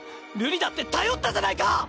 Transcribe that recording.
瑠璃だって頼ったじゃないか！